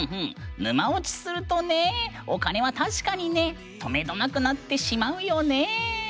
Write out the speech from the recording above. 沼落ちするとねお金は確かにねとめどなくなってしまうよね。